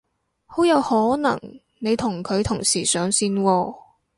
好有可能你同佢同時上線喎